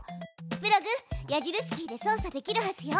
プログ矢印キーで操作できるはずよ。